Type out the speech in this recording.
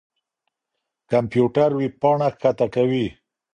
کمپيوټر وېبپاڼه کښته کوي.